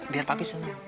biar papi senang